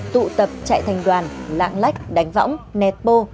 tụ tập chạy thành đoàn lạm lách đánh võng nẹp pô